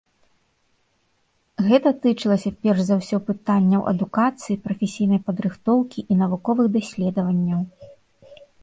Гэта тычылася перш за ўсё пытаннях адукацыі, прафесійнай падрыхтоўкі і навуковых даследаванняў.